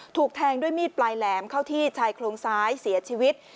ถูกแทงด้วยมีดปลายแหลมเข้าที่ชายโครงซ้ายเสียชีวิต